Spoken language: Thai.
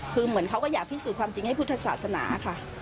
คือเหมือนเขาก็อยากพิสูจน์ความจริงให้พุทธศาสนาค่ะ